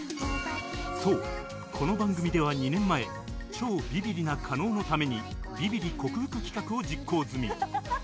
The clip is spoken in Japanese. そうこの番組では２年前超ビビリな加納のためにビビリ克服企画を実行済み